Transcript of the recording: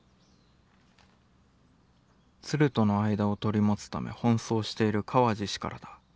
「鶴との間を取り持つため奔走している川路氏からだ。